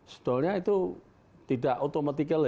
setelah itu tidak otomatis